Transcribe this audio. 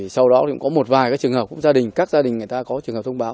sau đó cũng có một vài các trường hợp cũng gia đình các gia đình người ta có trường hợp thông báo